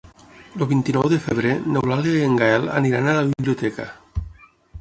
El vint-i-nou de febrer n'Eulàlia i en Gaël aniran a la biblioteca.